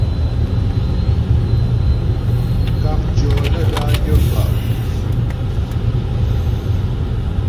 Kákcyɔ́ nə́ dányə́ fá'.